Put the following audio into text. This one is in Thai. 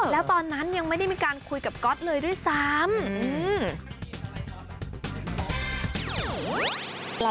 แล้วตอนนั้นยังไม่ได้มีการคุยกับก๊อตเลยด้วยซ้ำ